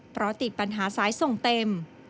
เพราะติดปัญหาสายส่งเต็ม